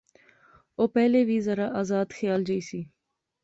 او پہلے وی ذرا آزاد خیال جئی سی